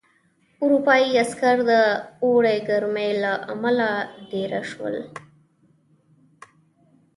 اروپايي عسکر د اوړي ګرمۍ له امله دېره شول.